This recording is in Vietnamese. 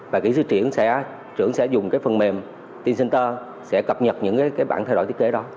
và kỹ sư triển sẽ dùng phần mềm t center sẽ cập nhật những bản thay đổi thiết kế đó